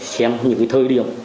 xem những cái thời điểm